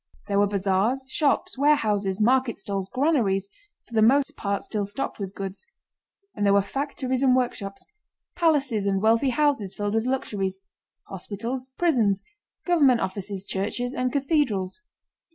There were bazaars, shops, warehouses, market stalls, granaries—for the most part still stocked with goods—and there were factories and workshops, palaces and wealthy houses filled with luxuries, hospitals, prisons, government offices, churches, and cathedrals.